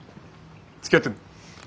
つきあってんの？